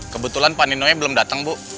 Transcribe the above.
kebetulan pak nino nya belum datang bu